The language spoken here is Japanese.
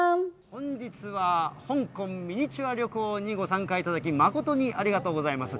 本日は、香港ミニチュア旅行にご参加いただき、誠にありがとうございます。